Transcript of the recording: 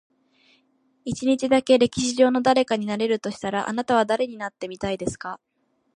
一日だけ、歴史上の誰かになれるとしたら、あなたは誰になってみたいですか？